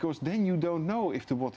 karena kemudian anda tidak tahu